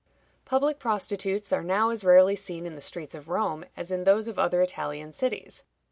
Public prostitutes are now as rarely seen in the streets of Rome as in those of other Italian cities.